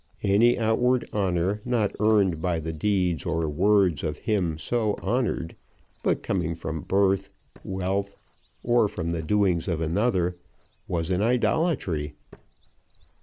Any outward honour, not earned by the deeds or words of him so honoured, but coming from birth, wealth, or from the doings of another, was an idolatry.